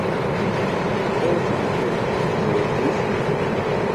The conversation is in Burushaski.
Oosam ke goor duusi̇mi̇.